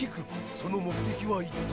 その目的は一体。